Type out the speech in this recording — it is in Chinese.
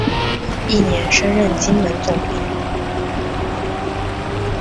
翌年升任金门总兵。